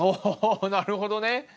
なるほどね。